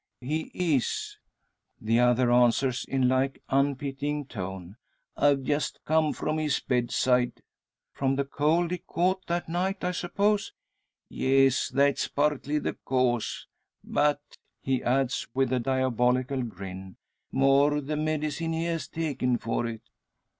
"He is," the other answers, in like unpitying tone; "I've just come from his bedside." "From the cold he caught that night, I suppose?" "Yes; that's partly the cause. But," he adds, with a diabolical grin, "more the medicine he has taken for it."